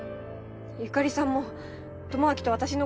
由香里さんも智明と私の